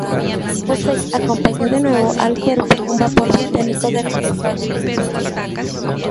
Hussey acompañó de nuevo al cuerpo en un vapor británico de regreso a Grytviken.